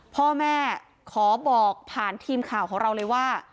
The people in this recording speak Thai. พ่อแม่ขอบอกผ่านทีมข่าวของเราเลยว่า